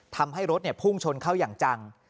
ทำให้รถพุ่งชนเข้าอย่างจัง